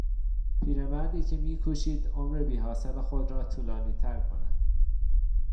پیرمردی که میکوشید عمر بیحاصل خود را طولانیتر کند